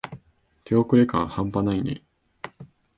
手遅れ感はんぱないね。